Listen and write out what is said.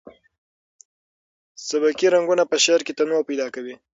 سبکي رنګونه په شعر کې تنوع پیدا کوي.